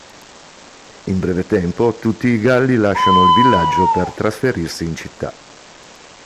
In breve tempo tutti i galli lasciano il villaggio per trasferirsi in città.